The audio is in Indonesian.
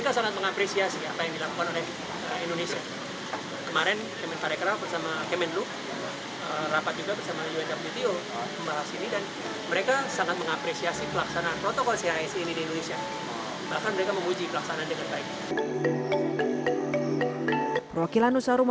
kesehatan berbasis chse di sektor pariwisata tanah air telah mendapat perhatian dunia luar khususnya organisasi kepariwisataan dunia luar khususnya organisasi kepariwisataan dunia luar